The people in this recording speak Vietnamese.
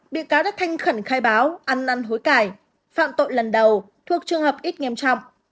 bị cáo đã thanh khẩn khai báo ăn năn hối cải phạm tội lần đầu thuộc trường hợp ít nghiêm trọng